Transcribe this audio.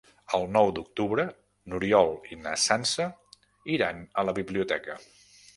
El nou d'octubre n'Oriol i na Sança iran a la biblioteca.